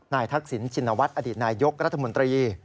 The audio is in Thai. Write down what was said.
ทักษิณชินวัฒน์อดีตนายยกรัฐมนตรี